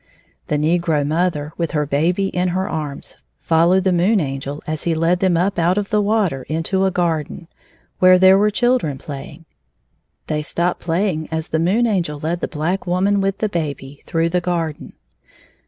The negro mother, with her baby in her arms, followed the Moon Angel as he led them up out of the water into a garden, where there were children playing. They stopped playing as the Moon Angel led the black woman with the baby through the garden.